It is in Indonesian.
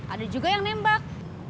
ada juga yang nembak